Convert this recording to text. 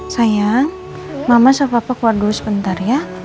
sayang mama sama papa keluar dulu sebentar ya